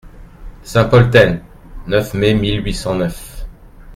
Saint-Polten, neuf mai mille huit cent neuf.